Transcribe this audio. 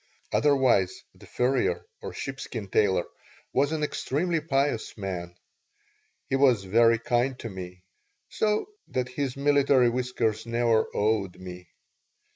Otherwise the furrier or sheepskin tailor was an extremely pious man. He was very kind to me, so that his military whiskers never awed me.